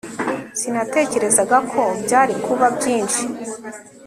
sinatekerezaga ko byari kuba byinshi